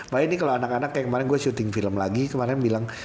makanya ini kalau anak anak kayak kemarin gue syuting film lagi kemarin bilang